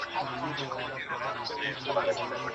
کندهار کي ډير ښايسته موټرونو موجود دي.